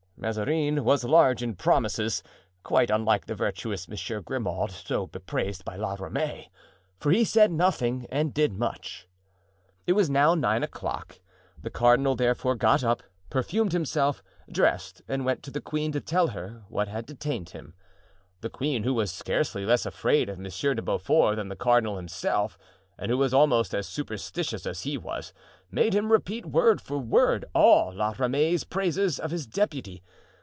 Mazarin was large in promises,—quite unlike the virtuous Monsieur Grimaud so bepraised by La Ramee; for he said nothing and did much. It was now nine o'clock. The cardinal, therefore, got up, perfumed himself, dressed, and went to the queen to tell her what had detained him. The queen, who was scarcely less afraid of Monsieur de Beaufort than the cardinal himself, and who was almost as superstitious as he was, made him repeat word for word all La Ramee's praises of his deputy.